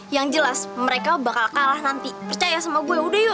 yang jelas mereka bakal kalah nanti percaya sama gue udah yuk